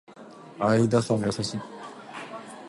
相田さんは優しい